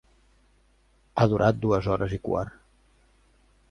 Ha durat dues hores i quart.